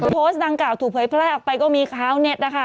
โพสต์ดังกล่าวถูกเผยแพร่ออกไปก็มีข้าวเน็ตนะคะ